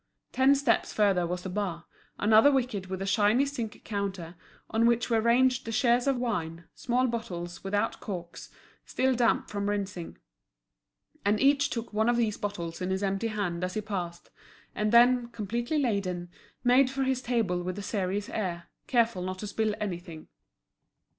Ten steps further was the bar, another wicket with a shiny zinc counter, on which were ranged the shares of wine, small bottles, without corks, still damp from rinsing. And each took one of these bottles in his empty hand as he passed, and then, completely laden, made for his table with a serious air, careful not to spill anything.